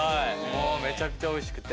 もうめちゃくちゃおいしくて。